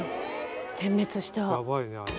点滅した。